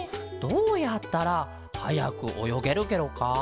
どうやったらはやくおよげるケロか？